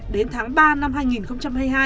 đến tháng ba năm hai nghìn hai mươi hai